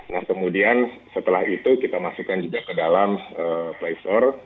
nah kemudian setelah itu kita masukkan juga ke dalam play store